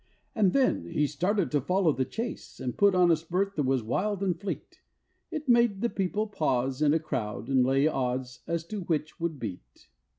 And then he started to follow the chase, And put on a spurt that was wild and fleet, It made the people pause in a crowd, And lay odds as to which would beat.